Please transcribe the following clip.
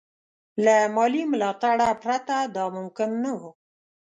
له مالي ملاتړه پرته دا ممکن نه وو.